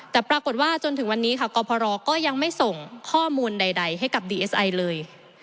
แต่ปรากฏว่าจนถึงวันนี้ค่ะกรพรก็ยังไม่ส่งข้อมูลใดให้กับดีเอสไอเลย